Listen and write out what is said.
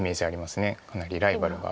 かなりライバルが。